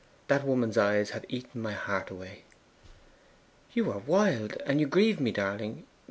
That woman's eyes have eaten my heart away!' 'You are wild; and you grieve me, darling.